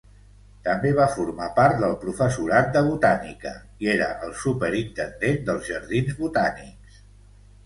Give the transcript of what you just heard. També va formar part del professorat de botànica i era el superintendent dels jardins botànics.